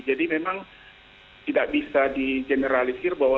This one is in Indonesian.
jadi memang tidak bisa digeneralisir bahwa